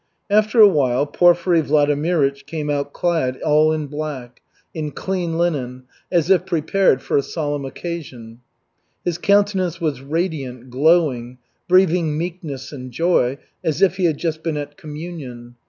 After a while Porfiry Vladimirych came out clad all in black, in clean linen, as if prepared for a solemn occasion. His countenance was radiant, glowing, breathing meekness and joy, as if he had just been at communion.